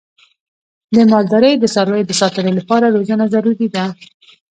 د مالدارۍ د څارویو د ساتنې لپاره روزنه ضروري ده.